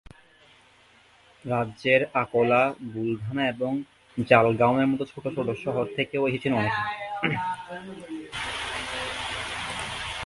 রাজ্যের আকোলা, বুলধানা এবং জালগাওনের মতো ছোট ছোট শহর থেকেও এসেছেন অনেকে।